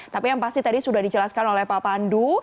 tapi yang pasti tadi sudah dijelaskan oleh pak pandu